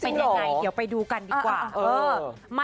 เดี๋ยวไปดูกันดีกว่า